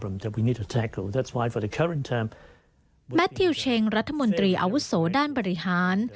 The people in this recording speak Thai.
แมททิวเชงรัฐมนตรีอาวุโสด้านบริหาร